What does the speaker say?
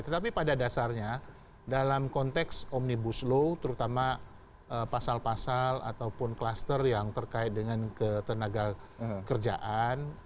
tetapi pada dasarnya dalam konteks omnibus law terutama pasal pasal ataupun kluster yang terkait dengan ketenaga kerjaan